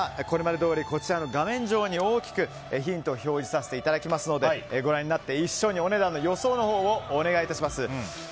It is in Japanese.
これまでどおりこちらの画面上に大きくヒントを表示させていただきますのでご覧になって一緒にお値段の予想をお願いします。